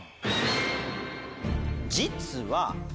実は。